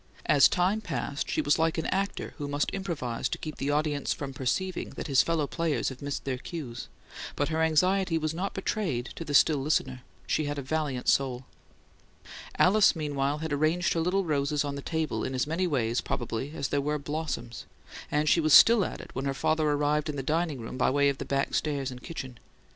As time passed, she was like an actor who must improvise to keep the audience from perceiving that his fellow players have missed their cues; but her anxiety was not betrayed to the still listener; she had a valiant soul. Alice, meanwhile, had arranged her little roses on the table in as many ways, probably, as there were blossoms; and she was still at it when her father arrived in the dining room by way of the back stairs and the kitchen.